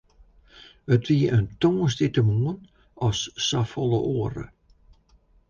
It wie in tongersdeitemoarn as safolle oare.